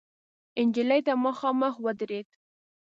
نجلۍ ته مخامخ ودرېد.